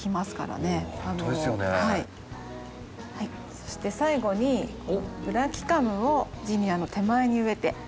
そして最後にブラキカムをジニアの手前に植えて。